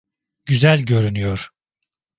Güzel görünüyor.